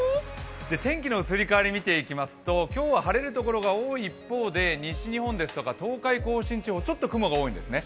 天気の移り変わり見ていきますと、今日は晴れるところが多い一方で西日本ですとか東海・甲信地方、ちょっと雲が多いんですね。